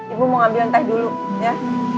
ibu mau ngambil teh dulu ya